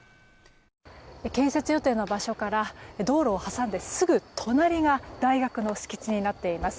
建設予定の場所から道路を挟んですぐ隣が大学の敷地になっています。